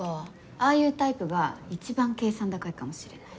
ああいうタイプが一番計算高いかもしれないし。